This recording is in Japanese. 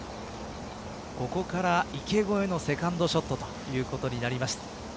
ここから池越えのセカンドショットということになります。